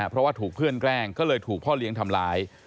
เพราะว่าถูกเพื่อนแกล้งก็เลยถูกพ่อเลี้ยงทำร้าย